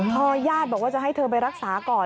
พอญาติบอกว่าจะให้เธอไปรักษาก่อน